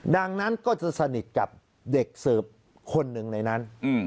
ดังนั้นก็จะสนิทกับเด็กเสิร์ฟคนหนึ่งในนั้น